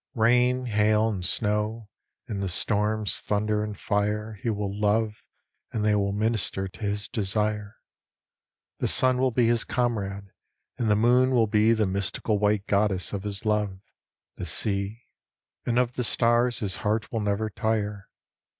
Rain, hail, and snow, and the storm's thunder and fire He will love, and they will minister to his desire. The sun will be his comrade, and the moon will bo The mystical white goddess of his love, the sea ; And of the stars his heart will never tire.